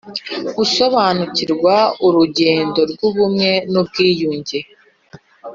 Gusobanukirwa n urugendo rw ubumwe n ubwiyunge